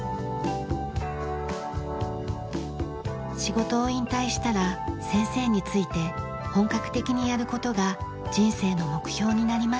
仕事を引退したら先生について本格的にやる事が人生の目標になりました。